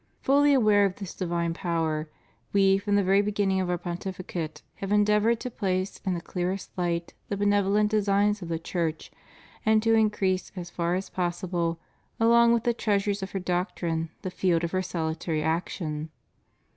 Fully aware of this divine power, We, from the very beginning of Our Pontificate, have endeavored to place in the clearest light the benevolent designs of the Church and to increase as far as possible, along with the treasures of her doctrine the field of her salutary action.